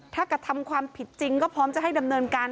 ถ้ากระทำความผิดจริงก็พร้อมจะให้ดำเนินการ